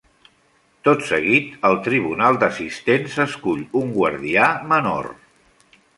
Tot seguit, el tribunal d'assistents escull un guardià menor.